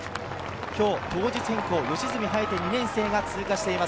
今日、当日変更、吉住颯・２年生が通過しています。